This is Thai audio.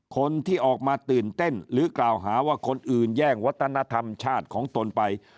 คนที่ออกมาตื่นเต้นหรือกล่าวหาว่าคนอื่นแย่งวัฒนธรรมชาติของตนไป